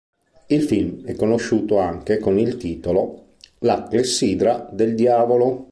Il film è conosciuto anche con il titolo La clessidra del diavolo.